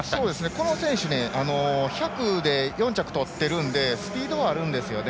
この選手、１００で４着をとっているのでスピードはあるんですよね。